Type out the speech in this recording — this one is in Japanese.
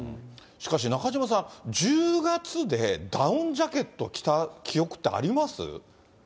しかし中島さん、１０月でダウンジャケット着た記憶ってあります？